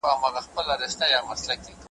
چي هر چا ویل احسان د ذوالجلال وو ,